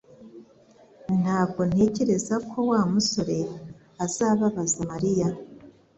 Ntabwo ntekereza ko Wa musore azababaza Mariya